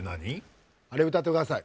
あれ歌ってください